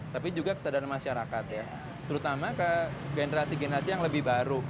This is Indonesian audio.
tapi juga kesadaran masyarakat ya terutama ke generasi generasi yang lebih baru